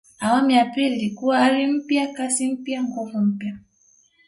awamu ya pili ilikuwa ari mpya kasi mpya nguvu mpya